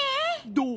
どう？